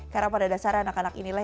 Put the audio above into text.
karena pada dasarnya anak anak inilah